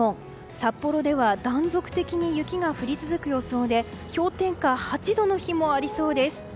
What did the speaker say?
札幌では断続的に雪が降り続く予想で氷点下８度の日もありそうです。